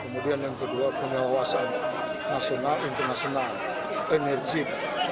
kemudian yang kedua penyewasan nasional internasional enerjik